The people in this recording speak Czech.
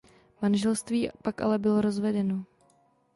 Manželství pak ale bylo rozvedeno.